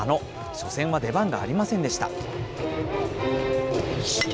初戦は出番がありませんでした。